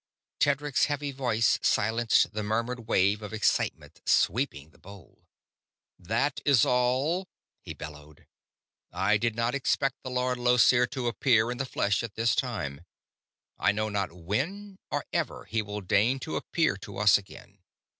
Tedric's heavy voice silenced the murmured wave of excitement sweeping the bowl. "That is all!" he bellowed. "I did not expect the Lord Llosir to appear in the flesh at this time; I know not when or ever he will deign to appear to us again.